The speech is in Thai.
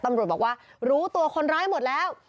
ตำรวจบอกว่ารู้ตัวคนร้ายหมดแล้ว